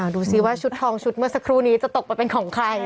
ดูสิว่าชุดทองชุดเมื่อสักครู่นี้จะตกไปเป็นของใคร